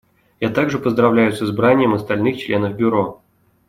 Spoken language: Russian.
Я также поздравляю с избранием остальных членов Бюро.